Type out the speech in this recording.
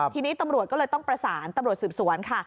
ทีนี้ตำรวจก็เลยต้องประสานตำรวจสืบสวนค่ะ